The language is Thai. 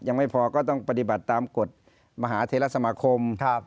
ยังไม่พอก็ต้องปฏิบัติตามกฎมหาเทรสมาคม